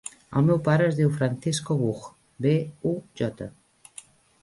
El meu pare es diu Francisco Buj: be, u, jota.